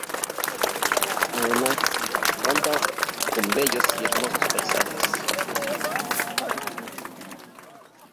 Además cuenta con bellos y hermosos paisajes.